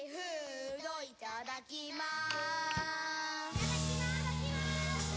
「いただきます」